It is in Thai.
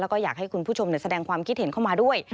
แล้วก็อยากให้คุณผู้ชมแสดงความคิดเห็นเข้ามาด้วย